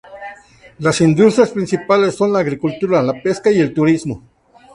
Las industrias principales son la agricultura, la pesca y el turismo.